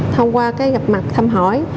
thông qua gặp mặt thăm hỏi